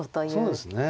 そうですね。